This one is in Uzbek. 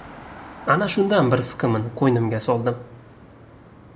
Ana shundan bir siqimini qo‘ynimga soldim.